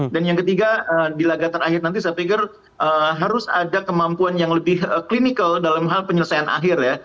dan yang ketiga di laga terakhir nanti saya pikir harus ada kemampuan yang lebih clinical dalam hal penyelesaian akhir ya